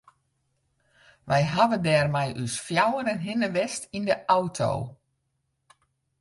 We hawwe dêr mei ús fjouweren hinne west yn de auto.